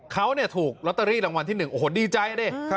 เขาถูกลอตเตอรี่รางวัลที่๑โอ้โหดีใจดิ